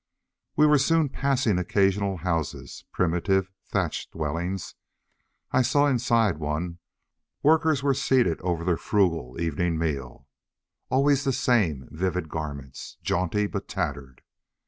We were soon passing occasional houses, primitive thatched dwellings. I saw inside one. Workers were seated over their frugal evening meal. Always the same vivid garments, jaunty but tattered.